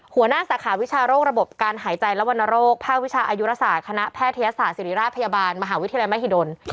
หัวหน้าสาขาวิชาโรคระบบการหายใจและวัณโรคภาควิชาอายุราษาคณะแพทยศสารศิริราชพยาบาลมหาวิทยาลัยมหิดล